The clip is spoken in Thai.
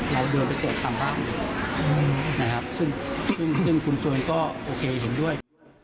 เราเดินไปแจกตามบ้านอยู่นะครับซึ่งคุณชวนก็โอเคเห็นด้วย